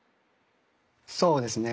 そうですね